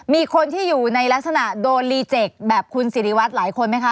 มีคนที่อยู่ในลักษณะโดนรีเจกต์แบบคุณสิริวัตรหลายคนไหมคะ